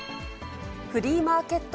フリーマーケット